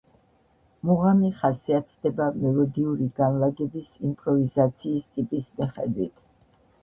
მუღამი ხასიათდება მელოდიური განლაგების იმპროვიზაციის ტიპის მიხედვით.